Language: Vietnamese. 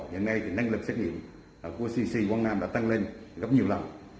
hiện nay thì năng lực xét nghiệm của cc quảng nam đã tăng lên gấp nhiều lần